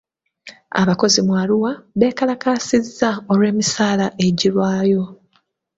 Abakozi mu Arua beekalakaasizza olw'emisaala egirwayo.